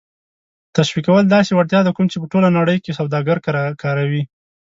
تشویقول داسې وړتیا ده کوم چې په ټوله نړۍ کې سوداګر کاروي.